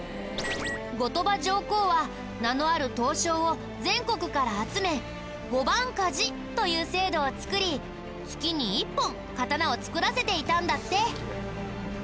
後鳥羽上皇は名のある刀匠を全国から集め御番鍛冶という制度を作り月に１本刀を作らせていたんだって。